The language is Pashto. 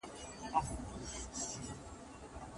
بې مالوماته استاد نسي کولای شاګرد ته سمه او بشپړه لارښوونه وکړي.